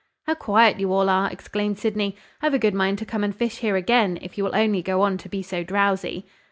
"How quiet you all are!" exclaimed Sydney. "I've a good mind to come and fish here again, if you will only go on to be so drowsy."